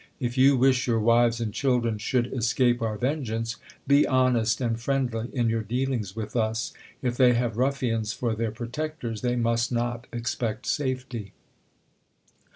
If you wish your Vvives and children should es cape our vengeance, be honest and friendly in your dealings with us ; if they have ruffians for their pro tectors, they must not expect safety.